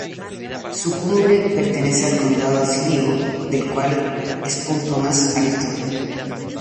Su cumbre pertenece al condado de Sligo, del cual es punto más alto.